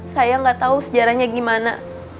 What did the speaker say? saya nggak tahu sejarahnya gimana